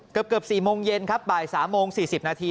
เกือบ๔โมงเย็นครับบ่าย๓โมง๔๐นาที